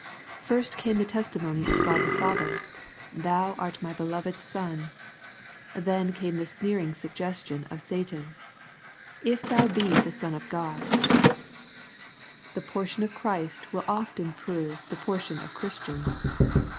First came the testimony of God the Father, " Thou art my beloved Son/' Then came the sneering suggestion of Satan, '^ If thou be the Son of God/' The portion of Christ will often prove the portion of Christians.